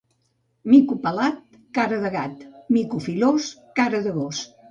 Mico pelat, cara de gat; mico filós, cara de gos.